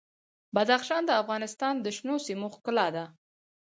بدخشان د افغانستان د شنو سیمو ښکلا ده.